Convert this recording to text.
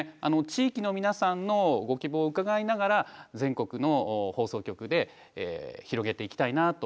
地域の皆さんのご希望を伺いながら全国の放送局で広げていきたいなと思っていますし